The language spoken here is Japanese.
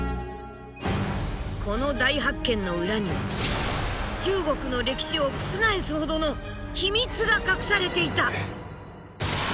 この大発見の裏には中国の歴史を覆すほどの秘密が隠されていた。